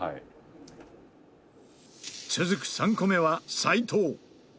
続く３個目は斎藤。